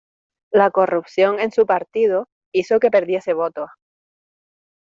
La corrupción en su partido, hizo que perdiese votos.